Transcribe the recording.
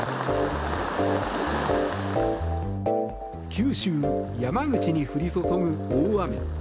九州、山口に降り注ぐ大雨。